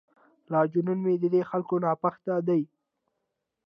لا جنون مې ددې خلکو ناپخته دی.